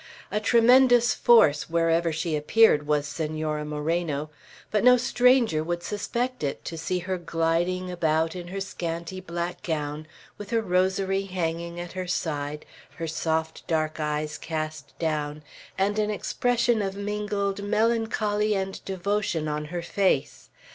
A tremendous force, wherever she appeared, was Senora Moreno; but no stranger would suspect it, to see her gliding about, in her scanty black gown, with her rosary hanging at her side, her soft dark eyes cast down, and an expression of mingled melancholy and devotion on her face.